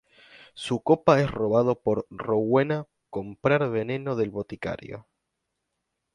Su copa es robado por Rowena comprar veneno del boticario.